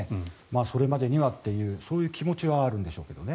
それまでにはというそういう気持ちはあるんでしょうけどね。